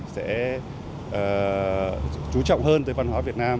sẽ trú trọng hơn tới văn hóa việt nam